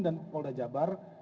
dan polda jabar